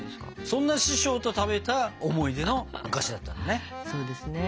そんな師匠と食べた思い出のお菓子だったんだね。